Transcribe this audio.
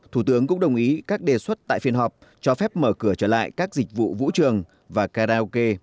thủ tướng cũng đồng ý các đề xuất tại phiên họp cho phép mở cửa trở lại các dịch vụ vũ trường và karaoke